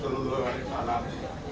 semoga kalian mendapat